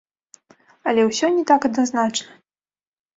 Але ўсё не так адназначна.